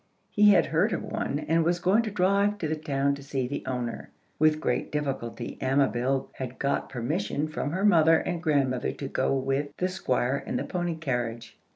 He had heard of one, and was going to drive to the town to see the owner. With great difficulty Amabel had got permission from her mother and grandmother to go with the Squire in the pony carriage.